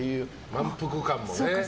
満腹感もね。